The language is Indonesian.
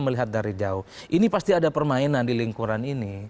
melihat dari jauh ini pasti ada permainan di lingkungan ini